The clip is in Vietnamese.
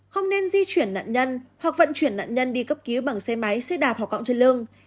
không nên di chuyển nạn nhân hoặc vận chuyển nạn nhân đi cấp cứu bằng xe máy xe đạp hoặc cộng trên lương